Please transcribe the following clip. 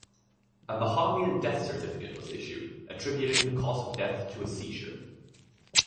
A Bahamian death certificate was issued, attributing the cause of death to a seizure.